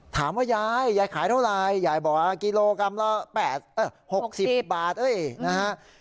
ถามว่ายายยายขายเท่าไหร่ยายบอกว่ากิโลกรัมละ๖๐บาทเอ้ยนะฮะ